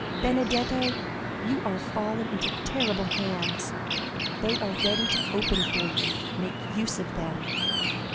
Benedetto, you are fallen into terrible hands; they are ready to open for you—make use of them.